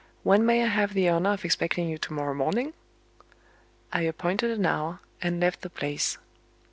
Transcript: When may I have the honor of expecting you to morrow morning?" I appointed an hour, and left the place.